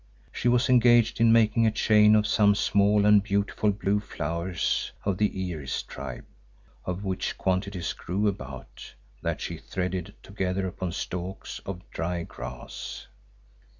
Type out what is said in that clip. She was engaged in making a chain of some small and beautiful blue flowers of the iris tribe, of which quantities grew about, that she threaded together upon stalks of dry grass.